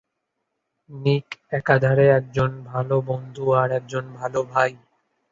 নিক একাধারে একজন ভালো বন্ধু আর একজন ভালো ভাই।